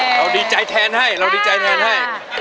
เราดีใจแทนให้เราดีใจแทนให้